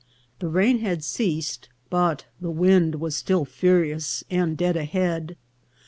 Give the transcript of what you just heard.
The rain had ceased, but the wind was still furious, and dead ahead.